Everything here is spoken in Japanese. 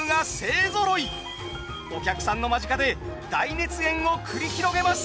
お客さんの間近で大熱演を繰り広げます。